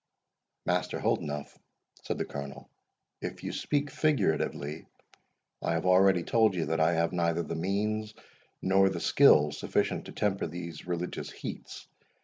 "Master Holdenough," said the Colonel, "if you speak figuratively, I have already told you that I have neither the means nor the skill sufficient to temper these religious heats.